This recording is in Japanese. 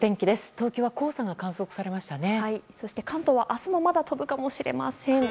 東京は黄砂が観測されましたね。